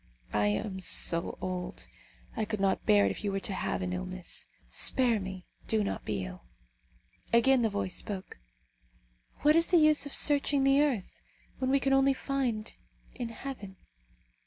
I am so old, I could not bear it if you were to have an illness. Spare me! do not be ill!" Again the voice spoke, "What is the use of searching the earth, when we can only find in heaven?"